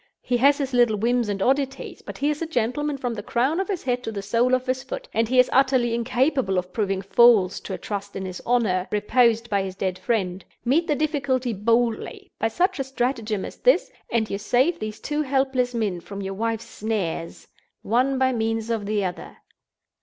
He has his little whims and oddities; but he is a gentleman from the crown of his head to the sole of his foot; and he is utterly incapable of proving false to a trust in his honor, reposed by his dead friend. Meet the difficulty boldly, by such a stratagem as this; and you save these two helpless men from your wife's snare, one by means of the other.